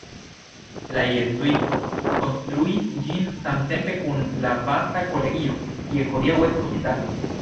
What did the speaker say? La jezuitoj konstruis ĝin samtempe kun la vasta kolegio, kie hodiaŭ estas hospitalo.